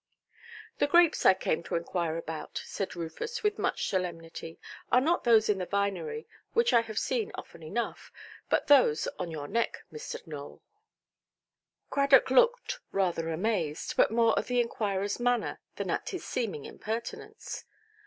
"The grapes I came to inquire about", said Rufus, with much solemnity, "are not those in the vinery, which I have seen often enough, but those on your neck, Mr. Nowell". Cradock looked rather amazed, but more at the inquirerʼs manner than at his seeming impertinence.